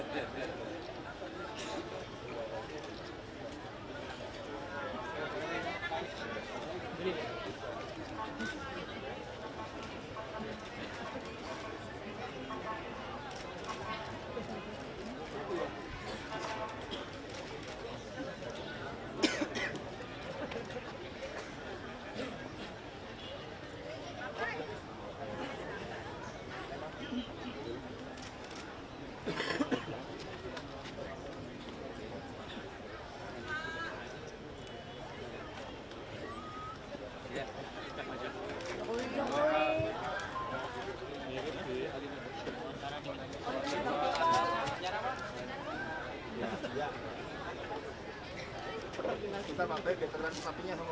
terima kasih bapak